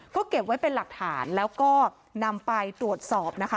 ก็เก็บไว้เป็นหลักฐานแล้วก็นำไปตรวจสอบนะคะ